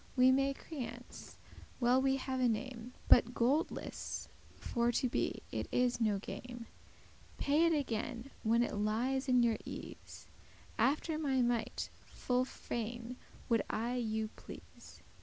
We may creance* while we have a name, *obtain credit But goldless for to be it is no game. Pay it again when it lies in your ease; After my might full fain would I you please."